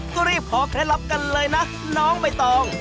ก็รีบขอเคล็ดลับกันเลยนะน้องใบตอง